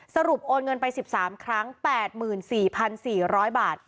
โอนเงินไป๑๓ครั้ง๘๔๔๐๐บาท